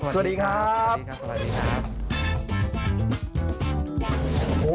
สวัสดีครับสวัสดีครับสวัสดีครับ